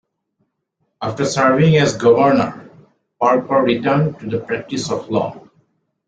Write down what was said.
After serving as governor, Parker returned to the practice of law.